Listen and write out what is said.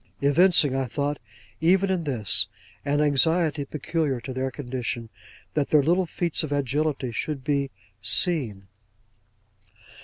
evincing, I thought, even in this, an anxiety peculiar to their condition, that their little feats of agility should be seen.